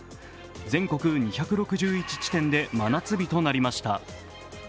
全国２６１地点で真夏日となりました